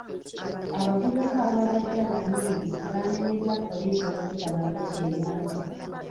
Abavubuka abaabadde abanyiivu banenyezza poliisi olw'obutabaako ky'eyamba.